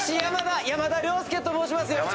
山田山田涼介と申します。